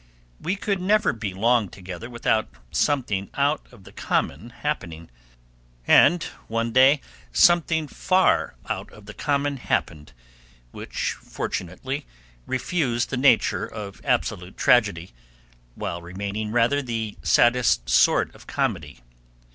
We could never be long together without something out of the common happening, and one day something far out of the common happened, which fortunately refused the nature of absolute tragedy, while remaining rather the saddest sort of comedy.